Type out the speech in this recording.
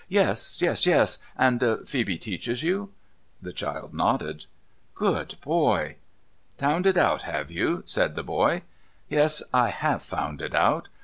Yes, yes, yes. And Phoebe teaches you ?' The child nodded. ' Good boy.' ' Tound it out, have you ?' said the child. ' Yes, I have found it out.